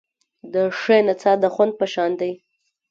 د ښې نڅا د خوند په شان دی.